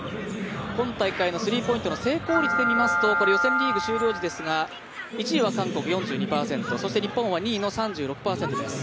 今大会の、スリーポイントの成功率で見ますと予選リーグ終了時ですけど１位は韓国、４２％日本は２位の３６％です。